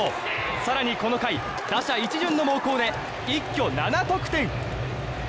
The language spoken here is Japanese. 更にこの回、打者一巡の猛攻で一挙７得点。